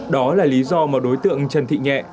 đó là lý do mà đối tượng trần thị nhẹ